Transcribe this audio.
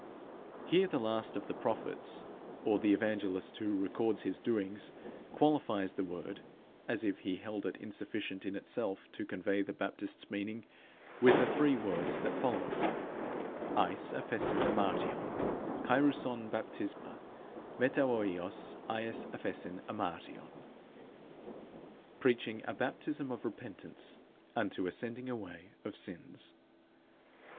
Here, the last of the prophets, or the evangelist who records his doings, qualifies the word, as if he held it insufficient in itself to convey the Baptist's meaning, with the three words that follow it [Greek: eis aPhesin amartiôn: kaerussôn Baptisma metauoias eis aphesin amartiôn] 'preaching a baptism of repentance _unto a sending away of sins'.